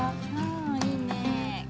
あいいね。